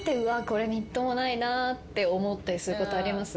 これみっともないなって思ったりすることあります？